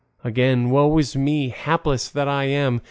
Again, woe is me, hapless that I am!